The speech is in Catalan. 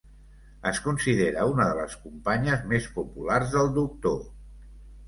Es considera una de les companyes més populars del Doctor.